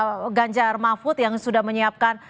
bukti bukti apa saja yang akan disiapkan